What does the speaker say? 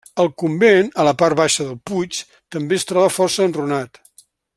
El convent, a la part baixa del puig, també es troba força enrunat.